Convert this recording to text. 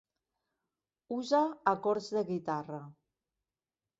Usa acords de guitarra.